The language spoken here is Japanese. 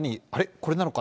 これなのか？